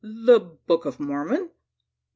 "The book of Mormon?"